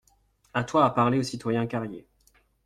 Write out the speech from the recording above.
A toi à parler au citoyen Carrier.